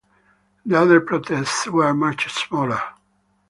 The other protests were much smaller.